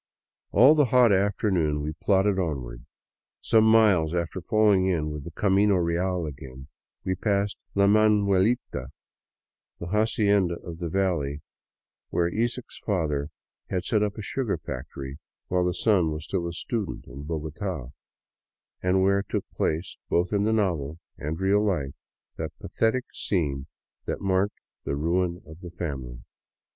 All the hot afternoon we plodded onward. Some miles after falling in with the camino real again, we passed " La Manuelita," the " haci enda of the valley " where Isaacs' father had set up a sugar factory while the son was still a student in Bogota, and where took place, both in the novel and real life, that pathetic scene that marked the ruin of the family.